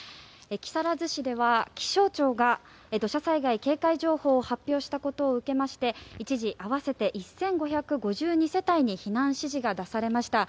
木更津市では気象庁が土砂災害警戒情報を発表したことを受けまして一時合わせて１５５２世帯に避難指示が出されました。